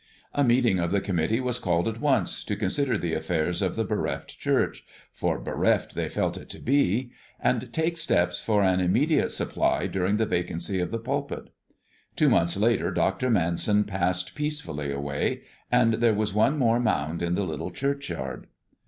A meeting of the committee was called at once, to consider the affairs of the bereft church for bereft they felt it to be and take steps for an immediate supply during the vacancy of the pulpit. Two months later Dr. Manson passed peacefully away, and there was one more mound in the little churchyard.